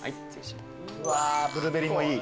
・うわブルーベリーもいい。